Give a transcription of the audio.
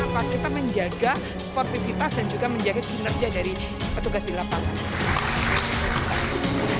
apa kita menjaga sportivitas dan juga menjaga kinerja dari petugas di lapangan